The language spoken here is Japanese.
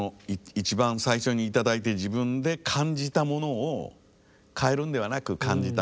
一番最初に頂いて自分で感じたものを変えるんではなく感じたものをそのまま聴いて頂く。